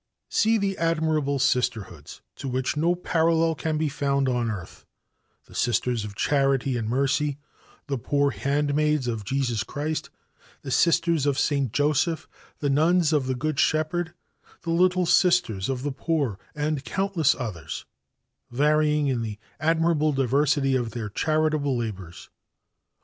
"See the admirable sisterhoods to which no parallel can be found on earth the Sisters of Charity and Mercy, the Poor Handmaids of Jesus Christ, the Sisters of St. Joseph, the nuns of the Good Shepherd, the Little Sisters of the Poor and countless others, varying in the admirable diversity of their charitable labors.